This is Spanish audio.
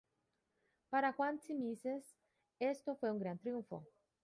Para Juan Tzimisces esto fue un gran triunfo.